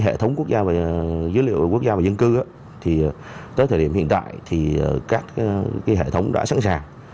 hệ thống quốc gia về dữ liệu quốc gia và dân cư tới thời điểm hiện tại thì các hệ thống đã sẵn sàng